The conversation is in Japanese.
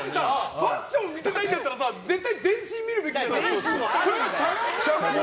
ファッションを見せたいんだったら全身を見せるべきじゃん。